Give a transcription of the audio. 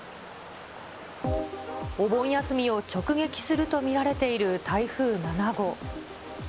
お盆休みを直撃すると見られている台風７号。